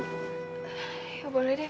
ya boleh deh